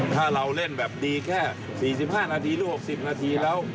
ถ้าเราเล่นแบบดีแค่๔๕นาทีหรือ๖๐นาทีแล้ว